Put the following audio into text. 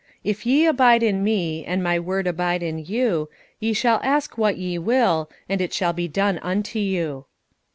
"If ye abide in Me, and My word abide in you, ye shall ask what ye will, and it shall be done unto you."